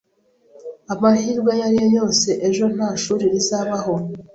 Amahirwe ayo ari yo yose, ejo nta shuri rizabaho.